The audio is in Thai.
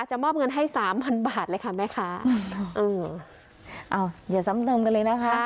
จะมอบเงินให้สามพันบาทเลยค่ะแม่ค้าอืมอ่าวเดี๋ยวซ้ำเติมกันเลยนะคะ